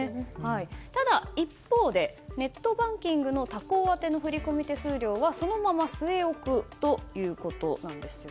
ただ一方でネットバンキングの他行宛ての振込手数料はそのまま据え置くということです。